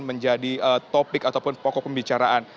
menjadi topik ataupun pokok pembicaraan